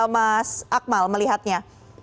mas akmal melihatnya